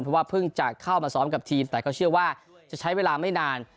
เพราะว่าเพิ่งจะเข้ามาซ้อมกับทีมแต่ก็เชื่อว่าจะใช้เวลาไม่นาน